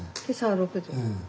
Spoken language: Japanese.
今朝は６時。